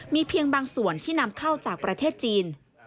มีเพียงบางส่วนที่นำเข้าจากประเทศจีน